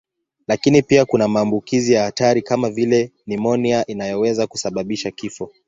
Lakini pia kuna maambukizi ya hatari kama vile nimonia inayoweza kusababisha kifo.